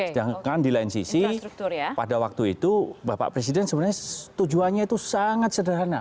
sedangkan di lain sisi pada waktu itu bapak presiden sebenarnya tujuannya itu sangat sederhana